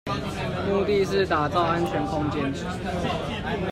目的是打造安全空間